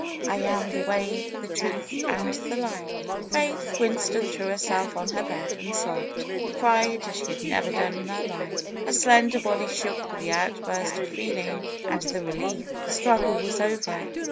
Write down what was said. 'T am the Way, the Truth and the Life !" Faith Winston threw herself on her bed and sobbed; cried as she had never done in her life. Her slender body shook with, the outburst of feeling and the relief. The struggle was over.